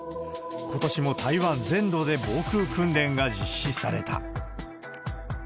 ことしも台湾全土で防空訓練が実施された。